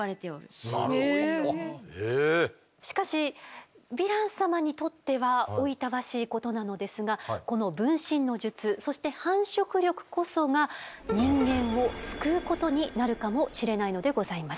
しかしヴィラン様にとってはおいたわしいことなのですがこの分身の術そして繁殖力こそが人間を救うことになるかもしれないのでございます。